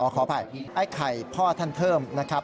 ขออภัยไอ้ไข่พ่อท่านเทิมนะครับ